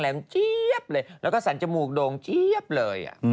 แล้วก็สันจมูกโดงเจี๊ยบเลย